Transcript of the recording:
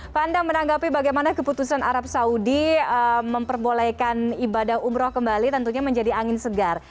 pak anda menanggapi bagaimana keputusan arab saudi memperbolehkan ibadah umroh kembali tentunya menjadi angin segar